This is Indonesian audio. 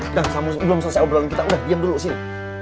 udah belum selesai obrolan kita udah diam dulu sini